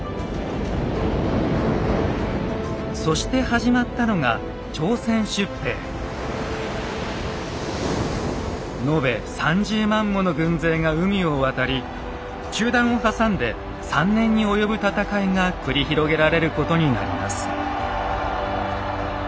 そして始まったのが延べ３０万もの軍勢が海を渡り中断を挟んで３年に及ぶ戦いが繰り広げられることになります。